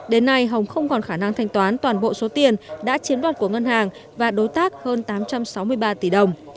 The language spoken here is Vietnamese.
đến nay hồng không còn khả năng thanh toán toàn bộ số tiền đã chiếm đoạt của ngân hàng và đối tác hơn tám trăm sáu mươi ba tỷ đồng